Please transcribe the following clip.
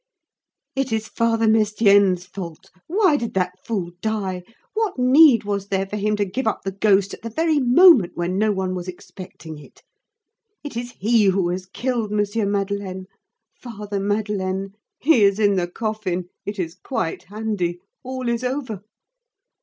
"It is Father Mestienne's fault. Why did that fool die? What need was there for him to give up the ghost at the very moment when no one was expecting it? It is he who has killed M. Madeleine. Father Madeleine! He is in the coffin. It is quite handy. All is over.